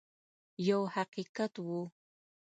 یو حقیقت وو.